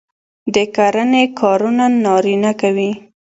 د کرنې کارونه نارینه کوي.